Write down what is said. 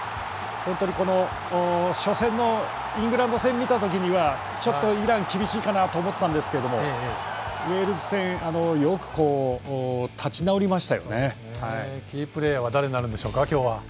本当に、この初戦のイングランド戦見たときにはちょっとイラン厳しいかな？と思ったんですけどウェールズ戦キープレーヤーは誰になるんでしょうか、今日は。